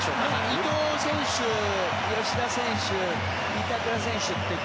伊藤選手、吉田選手板倉選手って。